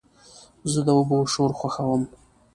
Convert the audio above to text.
زه د اوبو شور خوښوم.